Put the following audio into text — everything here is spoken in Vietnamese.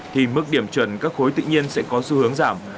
thì mức điểm chuẩn các khối tự nhiên sẽ có xu hướng giảm